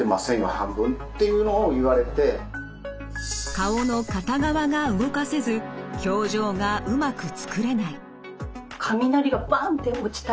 顔の片側が動かせず表情がうまくつくれない。